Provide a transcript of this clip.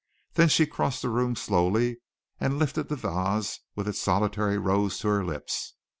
Then she crossed the room slowly, and lifted the vase with its solitary rose to her lips.